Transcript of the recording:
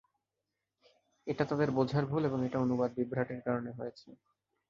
এটা তাদের বোঝার ভুল এবং এটা অনুবাদ বিভ্রাটের কারণে হয়েছে।